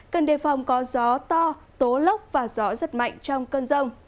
cần đề phòng có gió to tố lốc và gió rất mạnh trong cơn rông